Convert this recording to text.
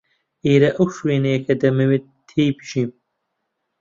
ئێرە ئەو شوێنەیە کە دەمەوێت تێی بژیم.